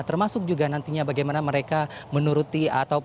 termasuk juga nantinya bagaimana mereka menjaga nama baik indonesia di mata dunia